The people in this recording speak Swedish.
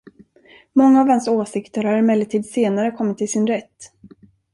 Många av hans åsikter har emellertid senare kommit till sin rätt.